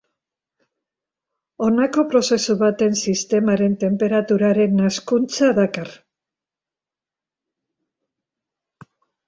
Honelako prozesu baten sistemaren tenperaturaren hazkuntza dakar.